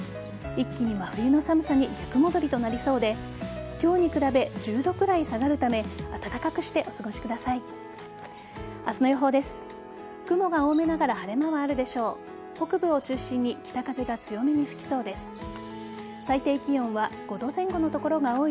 一気に真冬の寒さに逆戻りとなりそうで今日に比べ１０度くらい下がるため暖かくしてお過ごしください。